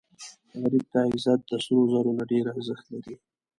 غریب ته عزت د سرو زرو نه ډېر ارزښت لري